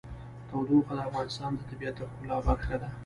تودوخه د افغانستان د طبیعت د ښکلا برخه ده.